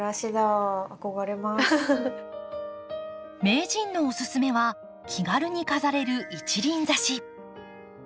名人のおすすめは気軽に飾れる一輪挿し。